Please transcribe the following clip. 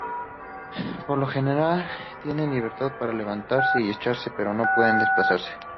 Por lo general, tienen libertad para levantarse y echarse pero no pueden desplazarse.